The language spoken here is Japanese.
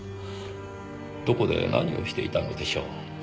どこで何をしていたのでしょう？